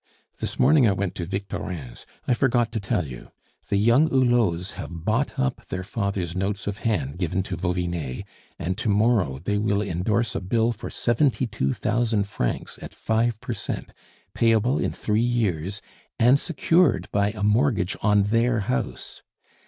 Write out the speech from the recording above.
This morning I went to Victorin's I forgot to tell you. The young Hulots have bought up their father's notes of hand given to Vauvinet, and to morrow they will endorse a bill for seventy two thousand francs at five per cent, payable in three years, and secured by a mortgage on their house.